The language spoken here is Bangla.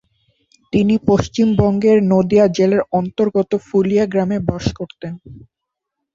তিনি পশ্চিমবঙ্গের নদিয়া জেলার অন্তর্গত ফুলিয়া গ্রামে বাস করতেন।